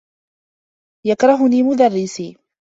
يكرهني مدرّسي.